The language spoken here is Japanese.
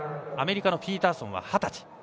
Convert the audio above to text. アメリカのピーターソンは二十歳。